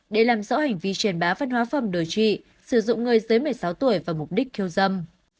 để làm rõ hành vi truyền bá văn hóa phẩm đối trị sử dụng người dưới một mươi sáu tuổi và mục đích khiêu dâm